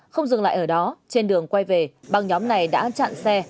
không dừng lại ở đó trên đường quay về băng nhóm này đã chặn xe